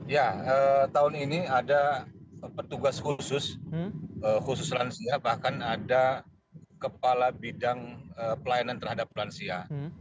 ya tahun ini ada petugas khusus khusus lansia bahkan ada kepala bidang pelayanan terhadap lansia